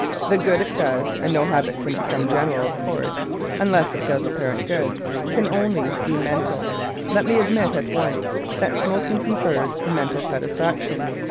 The good it does and no habit can become general, of course, unless it does apparent good can only be mental. Let me admit at once that smoking confers mental satisfaction.